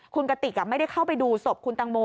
คุณกติกไม่ได้เข้าไปดูศพคุณตังโม